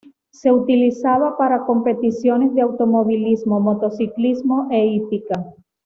Se utilizaba para competiciones de automovilismo, motociclismo e hípica.